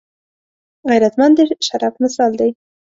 غیرتمند د شرف مثال دی